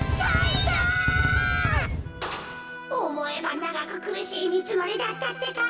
おもえばながくくるしいみちのりだったってか。